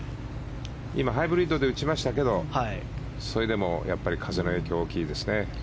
今ハイブリッドで打ちましたけど、それでも風の影響は大きいですね。